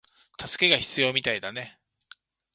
助けが必要みたいだね